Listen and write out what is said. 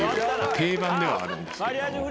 定番ではあるんですけど。